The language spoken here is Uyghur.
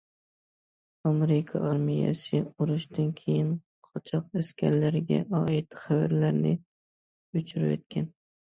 ئامېرىكا ئارمىيەسى ئۇرۇشتىن كېيىن قاچاق ئەسكەرلەرگە ئائىت خەۋەرلەرنى ئۆچۈرۈۋەتكەن.